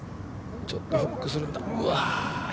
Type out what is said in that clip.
ちょっとフックするんだ。